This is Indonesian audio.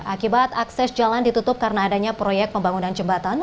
akibat akses jalan ditutup karena adanya proyek pembangunan jembatan